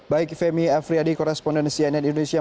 baik femi afriadi korespondensi ann indonesia